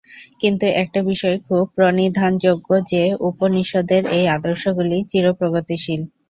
কিন্তু একটা বিষয় খুব প্রণিধানযোগ্য যে, উপনিষদের এই আদর্শগুলি চির-প্রগতিশীল।